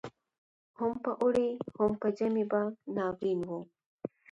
هم په اوړي هم په ژمي به ناورین وو